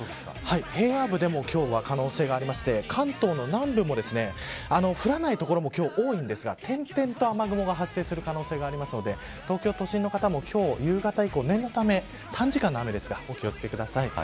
平野部でも今日は可能性がありまして関東の南部も降らない所も多いですが点々と雨雲が発生する可能性がありますので東京都心の方も夕方以降念のため短時間の雨ですがお気を付けください。